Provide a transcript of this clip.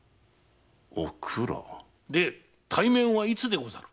対面はいつでござる？